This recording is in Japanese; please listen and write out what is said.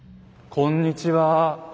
こんにちは。